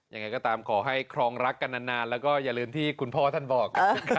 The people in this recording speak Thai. ยังไงก็ตามขอให้ครองรักกันนานแล้วก็อย่าลืมที่คุณพ่อท่านบอก